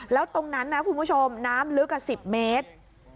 แล้วตรงนั้นนะคุณผู้ชมน้ำลึก๑๐เมตร